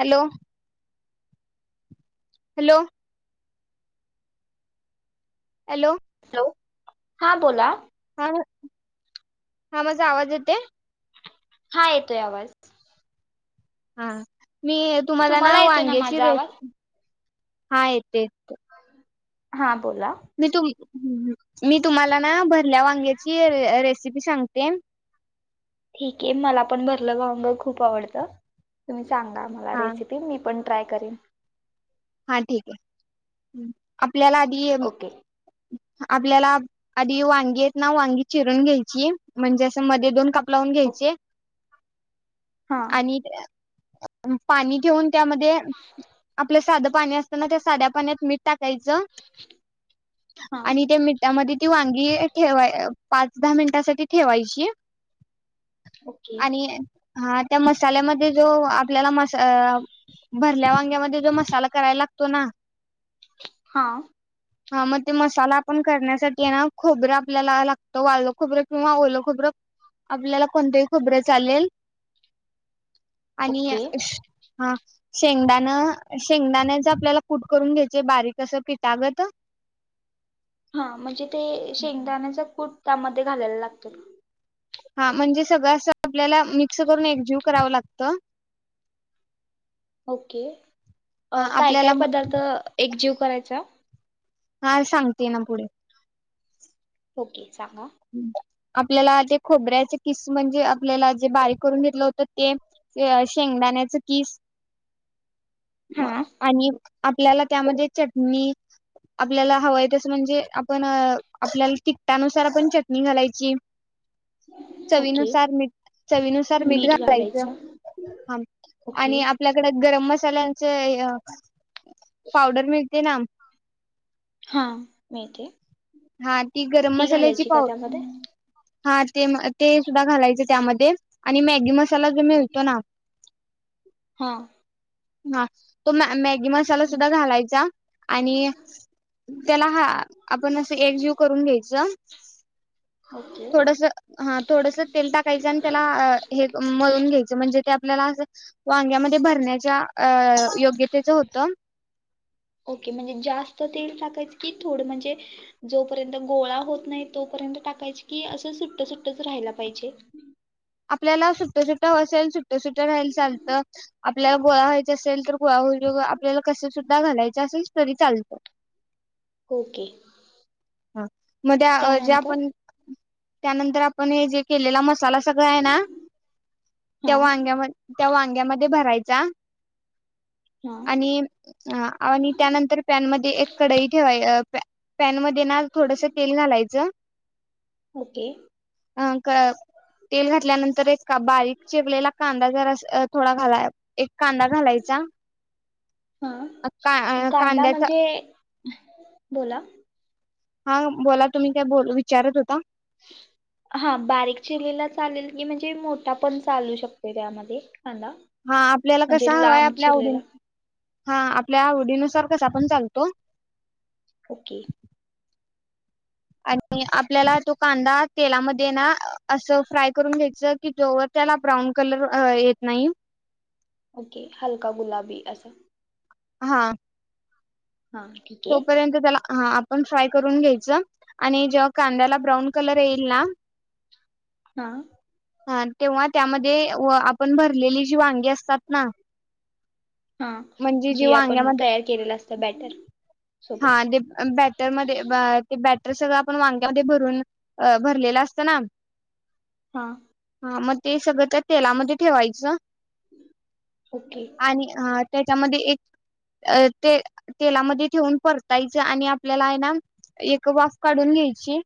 Hello hello hello hello हा बोला हा हा माझा आवाज येते हा येतोय आवाज हाअ्ं मी तुम्हाला ना येतोय वांग्याची माझा आवाज रेसिपी हा येत येत हा बोला मी तु मी तुम्हाला ना भरल्या वांग्याची रेसिपी सांगतेय ठीक आहे मला पण भरलं ग अंग खूप आवडतं सांगा मला हा रेसिपी मी पण ट्राय करे [inaudible] हा ठीक आहे आपल्याला अधी ओके आपल्याला आधी वांगी आहेत ना वांगी चिरून घ्यायची म्हणजे असं मध्ये दोन कप लावून घ्यायचे हा आणि पाणी ठेऊन त्यामध्ये आपल्या साधं पाणी असताना त्या साध्या पाण्यात मीठ टाकायते टाकायचं हा आणि त्या मिठामध्ये ती वांगी ठेवाय पाच दहा मिनटासाठी ठेवायची ओके आणि हा त्या मसाल्यामध्ये जो आपल्याला म भरल्या वांग्यामध्ये जो मसाला करायला लागतो ना हाअ्ं हा मग ते मसाला आपण करण्यासाठी आहे ना खोबरं आपल्याला लागतो वाळ खोबरं किंवा ओलं खोबरं आपल्याला कोणतही खोबरं चालेल आणि ओके हा शेंगदाणा शेंगदाणा चा आपल्याला कुट करून घ्यायचे बारीक असं पिठागत हा म्हणजे ते शेंगदाण्याचा कुठ त्यामध्ये घालायला लागतील हा म्हणजे सगळं असं आपल्याला मिक्स करून एकजीव करावं लागत ओके हा अ काय आपल्याला काय पदार्थ एक जीव करायचा हां सांगते ना पुढे ओके सांगा आपल्याला जे खोबऱ्याचे किस म्हणजे आपल्याला जे बारीक करून घेतलं होतं ते ते अ शेंगदाण्याच किस म् हा आणि आपल्याला त्यामध्ये चटणी आपल्याला हवंय तसं म्हणजे आपण आपल्याला तिकटानुसार आपण चटणी घालायची ओके चवीनुसार मीट् चवीनुसार मीठ घालायच ओके आणि आपल्याकड गरम मस् साल्यांचे हे अ् पावडर मिळते ना हां मेथी हां ती गरम मसाल्याची पाव् त्यामध्ये हां ते म् ते सुद्धा घालायचे त्यामध्ये आणि मॅगी मसाला जो मिळतो ना हं. हं तुम् म मॅ् गी मसाला सुद्धा घालायचा आणि त्याला हां आपण ‌असं एकजीव करून घ्यायचं. ओके थोडसं हां थोडस तेल टाकायचं आन त्याला हे मळून घ्यायचं म्हणजे ते आपल्याला वांग्यामध्ये भरण्याच्या अ योग्यतेच होत. ओके म्हणजे जास्त तेल टाकायच की थोडं म्हणजे जोपर्यंत गोळा होत नाई तोपर्यंत टाकायची की असं सुट्ट सुट्टच राहयला पाहिजे? आपल्याला सुट्टं सुट्टं असेल सुट्टं सुट्ट राहायल चालतं आपल्याला गोळा व्हायचा असेल तर गोळा [unintelligible] आपल्याला कसे सुद्धा घालायच असेल तरी चालतं. हो ओके. हां म् त्या अ ज्या त्यानंतर पण त्यानंतर आपण हे जे केलेला मसाला अस् सगळं हाय ना हा त्या वांग्या म त्या वांग्यामध्ये भराय् त्या हा आणि अ आणि त्यानंतर पॅन मध्ये एक कडई ठेवाय अ् पॅ् पॅनम देणार थोडसं तेल घालायचं ओके अ कळ् तेल घातल्यानं तर एक बारीक चिरलेला कांदा जरास अ थोडा घाला एक कांदा घालायचा. हा अ् का अ कांदा कांद्याचा म्हणजे हम बोला? हां बोला तुम्ही काय बोल विचारत होता? हा बारीक चिरलेला चालेल की म्हणजे मोठा पण चालू शकतोय त्यामध्ये? कांदा हा आपल्याला म्हणजे कसं हवा आहे लांब आपल्या चिरलेला आवडीन हा आपल्या आवडीनुसार कसा पण चालतो. ओके. आणि आपल्याला तो कांदा तेलामध्ये ना असं फ्राय करून घ्यायचं की जोवर त्याला ब्राऊन कलर अ येत नाही ओके हलका गुलाबी असं हा ठीक आहे तोपर्यंत त्याला ह आपण फ्राय करून घ्यायचं. आणि जेव्हा कांद्याला ब्राऊन कलर येईल ना. हा ह तेव्हा त्यामध्ये आपण भरलेली जी वांगी असतात ना हा म्हणजे जी आपण वांग्यामध्ये तयार केलेलं असतं बॅटर. हा सोबत ते बॅटरमध्ये ब ते ब्यां. तर सगळं आपण वांग्यामध्ये भरून भरलेलं असत ना. हा म ते सगळं त्या तेलामध्ये ठेवायचं. ओके आणि हा त्यांच्यामध्ये एक ते तेलामध्ये ठेवून परतायच आणि आपल्याला आहे ना एक वाफ काढून घ्यायची.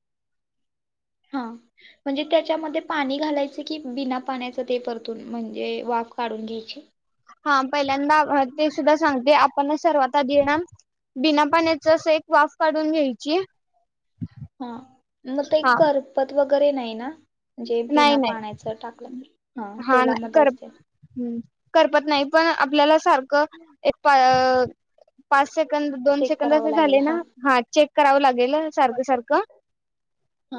हा म्हणजे त्याच्यामध्ये पाणी घालायच कि बिना पाण्याच ते परतून म्हणजे वाफ काढून घ्यायची. हा पहिल्यांदा ते सुद्धा सांगते आपण सर्वात आधी ना बिना पाण्याच अस एक वाफ काढून घ्यायची. हा मग ते हा करपत व वगैरे नाही ना. म्हणजे नाही बिना नाही पाण्याचं टाकलं तर हा नाही तेलामध्ये कर असते. करपत नाही पण आपल्याला सारखं एक पा च सेकंद दोन चेक सेकंद करावं असे झाले लागेल ना हा चेक करावं लागेल. सारखं सारखं. हा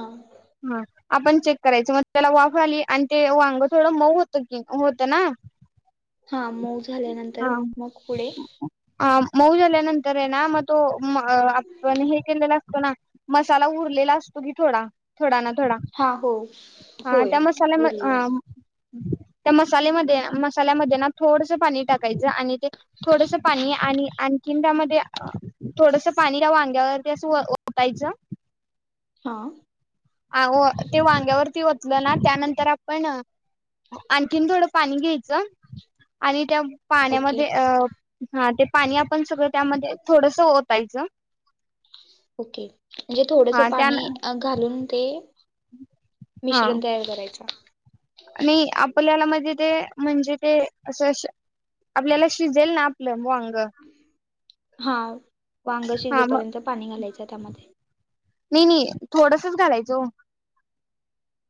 हा आपण चे करायच मग त्याला वाफ आली आणि ते वांग थोडं मऊ होत की होतं ना हा मऊ झाल्यानंतर हा मग पुढे मऊ झाल्यानंतर आहे ना मग तो आपण हे केलेला असतो ना मसाला उरलेला असतो की थोडा थोडा ना थोडा हा हो हा होय त्या मासाल्याम उरलेला हं असतो त्या मसाल्यामध्ये मसाल्यामध्ये ना थोडंसं पाणी टाकायचं आणि ते. थोडंसं पाणी आणि आणखी त्यामध्य. थोडंसं पाणी त्या वांग्यावर ते असं ओ ओतायचं. हा ते वांग्यावरती ओतलना त्यानंतर आपण आणखीन थोडं पाणी घ्यायचं आणि त्या ओके पाण्यामध्ये अ हा ते पाणी आपण सगळं त्यामध्ये थोडस ओतायचं. ओके म्हणजे थोडस हा त्या पाणी आ घालून ते हा मिश्रण तयार करायच आणि आपल्याला पण ते म्हणजे ते अस श आपल्याला शिजेल ना आपलं वाग ग हा वांग शिजेपर्यंत पाणी घालायच त्यामध्ये नाही नाही थोडसच घालायचं ओ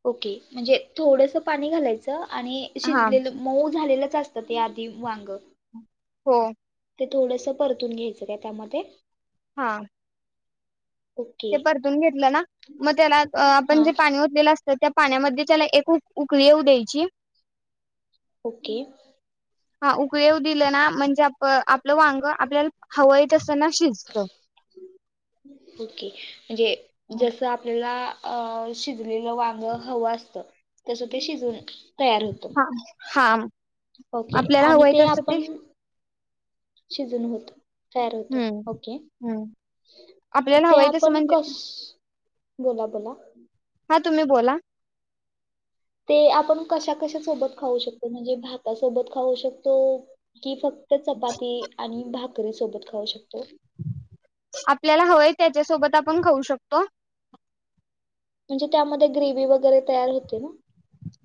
ओके म्हणजे थोडस पाणी घालायचं आणि हा शिजलेलं मऊ झालेलंच असत त ते आधी वांग हो ते थोडस परतून घ्यायचं काय त्यामध्ये हा ओके ते परतून घेतलं ना मग त्याला आपण हां जे पाणी ओतलेलं अस तर त्या पाण्यामध्ये त्याला एक उ उकळी येऊ द्यायची ओके हा उकळी येऊ दिलं ना म्हणजे आप आपलं वांग आपल्याला हवाय तसं ओके म्हणजे जैस आपल्या शिजलेलं वांग हव असत तस ते शिजवून तयार होत हा हा ओके आपल्याला आणि हवं येत ते असतं आपण शिजून होत तयार होत हम्म ओके हम्म आपल्याला ते हवंय तसं आपण म्हणजे कस बोला बोला हा तुम्ही बोला ते आपण कशा कशा सोबत खाऊ शकतो म्हणजे भातासोबत खाऊ शकतो की फक्त चपाती आणि भात पूरी सोबत खाऊ शकतो आपल्याला हवंय त्याच्यासोबत आपण खाऊ शकतो म्हणजे त्यामध्ये ग्रेवी वगैरे तयार होते ना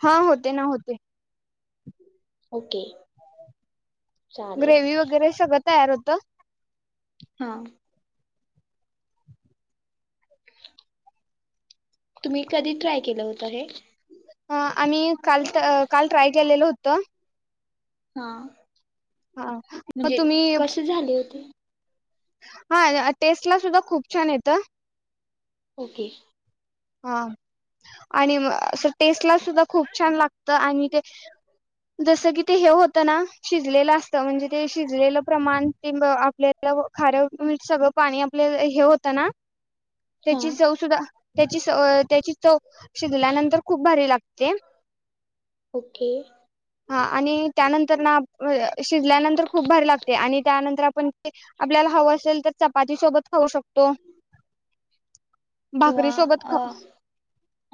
हा होते ना होते ओके चालेल ग्रेवी वगैरे सगळं तयार होतं. हा [inaudible] तुम्ही कधी ट्राय केलं होत हे? आणि काल अ काल ट्राय केलेल होतं. हा हा मग म्हणजे तुम्ही कशे झाले होते? हा टेस्ट ला सुद्धा खूप छान येतं. ओके. हा आणि अस टेस्टला सुद्धा खूप छान लागत आणि ते जस की ते हे होतं ना शिजलेलं अस त म्हणजे ते शिजलेलं प्रमाण आपल्या हितल्या खारं मिठ सगळं पाणी आपल्या हे होतं ना हा तेची चव सुद्धा त्याची त्याची चव शिजल्यानंतर खूप भारी हे लागतिय ओके हा आणि त्यानंतर ना शिजल्यानंतर खूप भारी लागते आणि त्यानंतर आपण आपल्याला हवं असेल तर चपाती सोबत खाऊ शकतो. किंवा भाकरी सोबत अ ख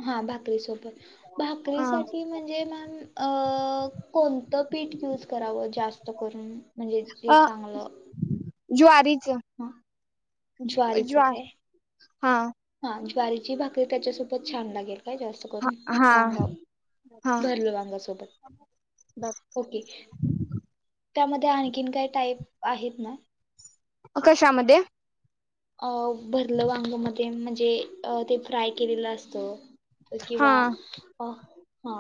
हा भाकरीसोबत हा भाकरीसाठी म्हणजे म्हण अ् कोणतं पीठ यूज करावं जास्त करून? म्हणजे ते चांगलं ज्वारी च हा ज्व ज्वारीचं ज्वा काय हा हा ज्वारीची भाकरी त्याच्यासोबत छान लागेल. काय जास्त हा करून हा वांग हा भरल वांग सोबत ओके त्यामध्ये आणखीन काही टाईप आहेत ना? कशामध्ये? अ भरलं वांगमध्ये म्हणज जे ते फ्राय केलेलं असत हा किंवा अ हा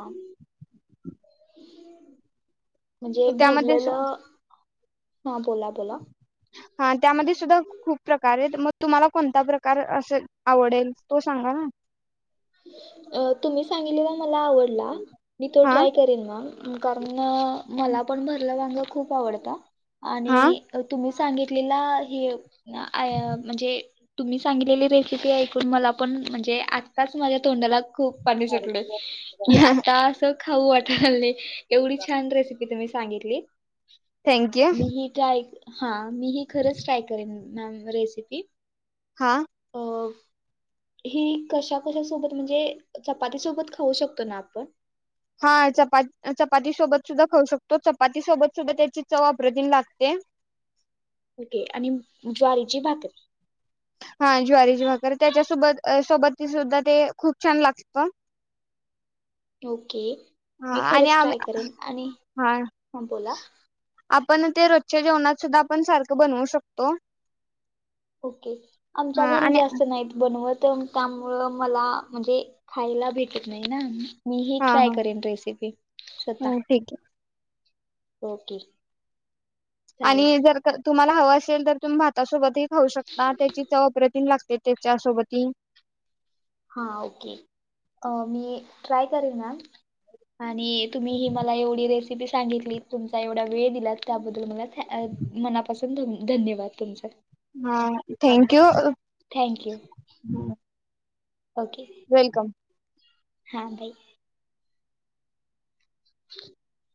म्हणजे त्यामध्ये सु- भरलेलं हा बोला बोला हा त्यामध्ये सुद्धा खूप प्रकार यत मग तुम्हाला कोणता प्रकार असं आवडेल तो सांगा ना अ तुम्ही सांगलेला मला आवडला मी तो हा ट्राय करेन हां कारण मला पण भरल वांग खूप आवडता हा आणि तुम्ही सांगितलेला हे अ आय म्हणजे तुम्ही सांगितलेली रेसिपी ऐकून मला पण म्हणजे अँ त्याच माझ्या तोंडाला खूप पाणी सुटलंय की आता असं खाऊ वाटालय. एवढी छान रेसिपी तुम्ही सांगितली थँक्यू मी ही ते ऐक हा मी ही खरंच ट्राय करेन मॅम रेसिपी. हा हि कशा कशा सोबत म्हणजे चपाती सोबत खाऊ शकतो ना आपण? हा चपा चपाती सोबत सुद्धा खाऊ शकतो चपाती सोबत सुद्धा त्याची चव अप्रतिम लागते. ओके आणि ज्वारीची भाकरी. हा ज्वारीची भाकर त्याच्यासोबत अ सोबत सुद्धा ते खूप छान लागत. ओके. हा मी आणि खरंच आमी ट्राय करेन आणि हा हा बोला आप पण ते रोजच्या जेवणात सुद्धा आपण सारख बनवू शकतो. ओके आमच्या हा घरी आणि जास्त नाहीत बनवत. तर त्यामुळं मला म्हणजे खायला भेटत नाई ना. मी ही हा ट्राय हा करेन रेसिपी स्वतः. हा, ठीक आहे ओके. चालेल आणि जर का तुम्हा हव असेल तर तुमी भातासोबत ही खाऊ शकता त्याची चव अप्रतिम लाग ते तेच्या सोबती हा ओके अ मी ट्राय करेन मॅम. आणि तुम्ही ही मला एवढी रेसी [unintelligible] सांगितली तुमचा एवढा वेळ दिलात त्याबद्दल मला थँक अ मनापासून धन धन्यवाद तुमच हा थँक्यू अ थॅँक यू. वेलकम. हा बाई. [inaudible]